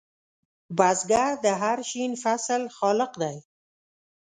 بزګر د هر شین فصل خالق دی